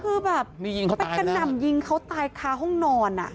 คือแบบก็นำยิงเขาตายค่ะห้องนอนอ่ะ